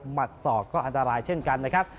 ศอกก็อันตรายเช่นกันนะครับ